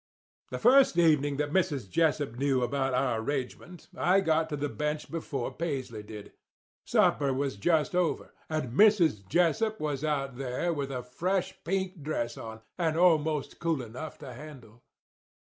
"The first evening that Mrs. Jessup knew about our arrangement I got to the bench before Paisley did. Supper was just over, and Mrs. Jessup was out there with a fresh pink dress on, and almost cool enough to handle.